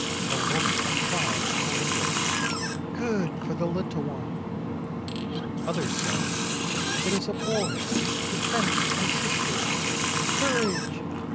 A woman cried from a window, "Good for the little one!" Others said, "It is a boy defending his sister; courage!